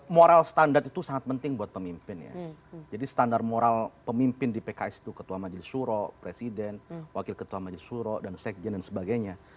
moral standar itu sangat penting buat pemimpin ya jadi standar moral pemimpin di pks itu ketua majelis suro presiden wakil ketua majelis suro dan sekjen dan sebagainya